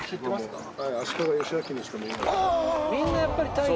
みんなやっぱり大河。